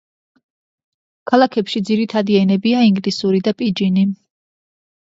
ქალაქებში ძირითადი ენებია ინგლისური და პიჯინი.